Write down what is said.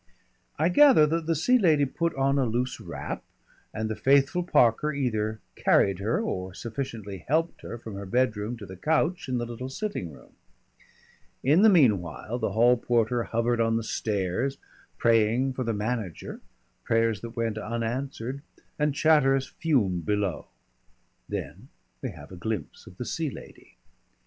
I gather that the Sea Lady put on a loose wrap, and the faithful Parker either carried her or sufficiently helped her from her bedroom to the couch in the little sitting room. In the meanwhile the hall porter hovered on the stairs, praying for the manager prayers that went unanswered and Chatteris fumed below. Then we have a glimpse of the Sea Lady.